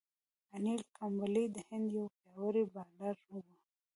انیل کمبلې د هند یو پياوړی بالر وو.